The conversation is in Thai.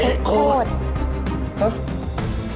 โอเคโอเคโอเคโอเค